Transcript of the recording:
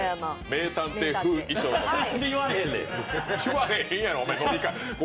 名探偵風衣装です。